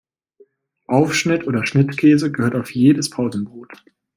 Aufschnitt oder Schnittkäse gehört auf jedes Pausenbrot.